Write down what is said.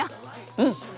うん！